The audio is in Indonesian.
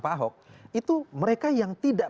pak ahok itu mereka yang tidak